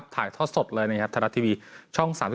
ถ่ายทอดสดเลยในธรรมดาทีวีช่อง๓๒